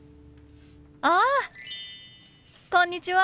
あ！こんにちは。